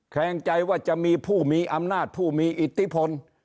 แคลงใจว่าจะมีผู้มีอำนาจผู้มีอิทธิพล